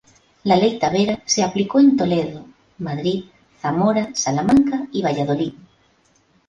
La ley Tavera se aplicó en Toledo, Madrid, Zamora, Salamanca y Valladolid.